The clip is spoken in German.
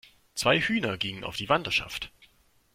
Zwei Hühner gingen auf die Wanderschaft!